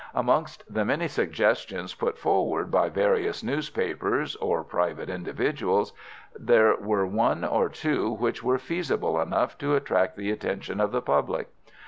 Amongst the many suggestions put forward by various newspapers or private individuals, there were one or two which were feasible enough to attract the attention of the public.